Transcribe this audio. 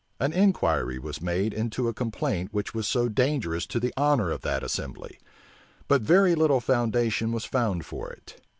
An inquiry was made into a complaint which was so dangerous to the honor of that assembly; but very little foundation was found for it.